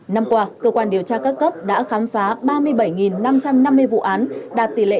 năm qua cơ quan điều tra các cấp đã khám phá ba mươi bảy năm trăm năm mươi vụ án đạt tỷ lệ tám mươi bốn sáu mươi bốn